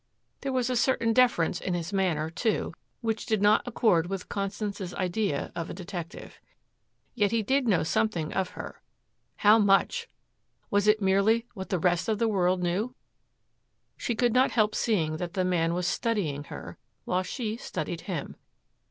There was a certain deference in his manner, too, which did not accord with Constance's ideas of a detective. Yet he did know something of her. How much! Was it merely what the rest of the world knew? She could not help seeing that the man was studying her, while she studied him.